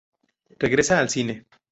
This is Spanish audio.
Regresa al cine.